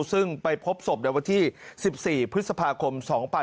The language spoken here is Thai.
ซึ่งไปพบศพในวันที่๑๔พฤษภาคม๒๕๖๒